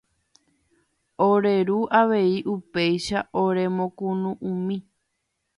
Ore ru avei upéicha oremokunu'ũmi.